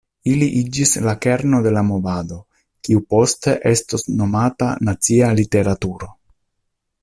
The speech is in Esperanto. Ili iĝis la kerno de movado kiu poste estos nomata nacia literaturo.